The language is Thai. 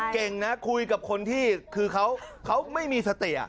เก่งนะคุยกับคนที่คือเขาไม่มีสติ